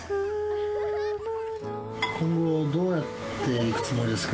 今後どうやっていくつもりですか？